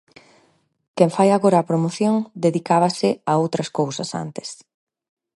Quen fai agora a promoción dedicábase a outras cousas antes.